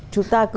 chúng ta cứ